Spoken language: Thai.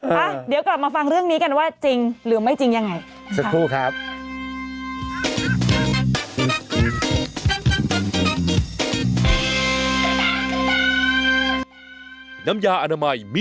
เอาเดี๋ยวกลับมาฟังเรื่องนี้กันว่าจริงหรือไม่จริงยังไง